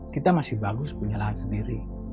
kita masih bagus punya lahan sendiri